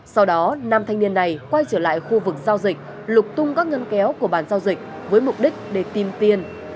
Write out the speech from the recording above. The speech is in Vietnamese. sau đó nam thanh niên này quay trở lại khu vực giao dịch lục tung các ngân kéo của bàn giao dịch với mục đích để tìm tiền